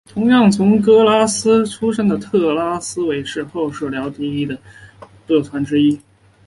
同样从格拉斯哥出身的特拉维斯是后英式摇滚第一批受到关注的乐团之一。